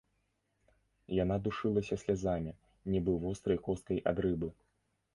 Яна душылася слязамі, нібы вострай косткай ад рыбы.